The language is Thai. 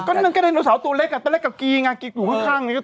ก็ไดโนเสาร์ตัวเล็กอ่ะตัวเล็กกว่ากี้อยู่ข้าง